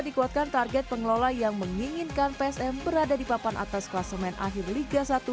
dikuatkan target pengelola yang menginginkan psm berada di papan atas kelas main akhir liga satu